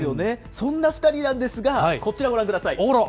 そんな２人なんですが、こちらご覧ください。